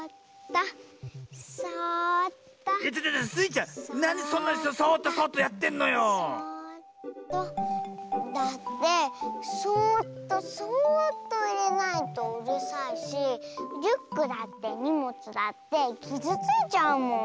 ⁉だってそっとそっといれないとうるさいしリュックだってにもつだってきずついちゃうもん。